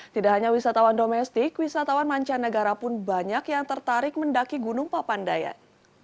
tidak hanya wisatawan domestik wisatawan mancanegara pun banyak yang tertarik mendaki gunung papandayan